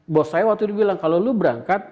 bos saya waktu itu bilang kalau lo berangkat